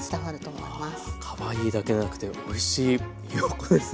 はあかわいいだけじゃなくておいしいひよこです。